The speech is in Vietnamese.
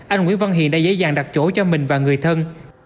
anh nguyễn văn hiền đã dễ dàng đặt chỗ cho mình và người thân